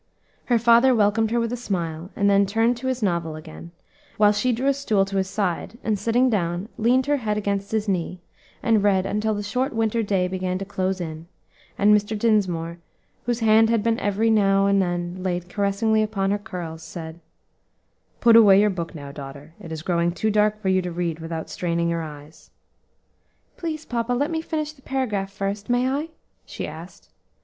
Her father welcomed her with a smile, and then turned to his novel again, while she drew a stool to his side, and, sitting down, leaned her head against his knee, and read until the short winter day began to close in, and Mr. Dinsmore, whose hand had been every now and then laid caressingly upon her curls, said, "Put away your book now, daughter; it is growing too dark for you to read without straining your eyes." "Please, papa, let me finish the paragraph first; may I?" she asked.